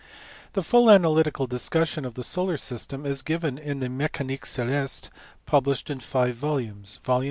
The full analytical discussion of the solar system is given in the Mecanique celeste published in five volumes: vols.